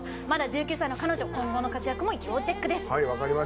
まだ１９歳の彼女今後の活躍も要チェックです。